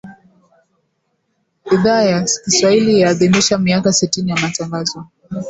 Idhaa ya Kiswahili yaadhimisha miaka sitini ya Matangazo.